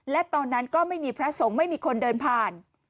และตอนนั้นก็ไม่มีพระสงฆ์ไม่มีคนเดินผ่าน